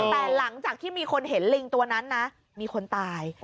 แต่หลังจากที่มีคนเห็นลิงตัวนั้นนะมีคนตาย